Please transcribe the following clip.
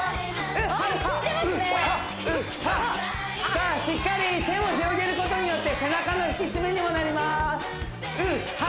さあしっかり手を広げることによって背中の引き締めにもなりますＵｈ！